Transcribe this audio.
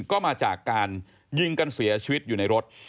ก็มาจากการยิงกันเสียชีวิตอยู่ในรถ